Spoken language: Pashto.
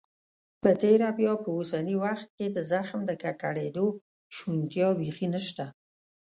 په تیره بیا په اوسني وخت کې د زخم د ککړېدو شونتیا بيخي نشته.